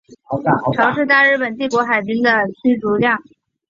潮是大日本帝国海军的驱逐舰。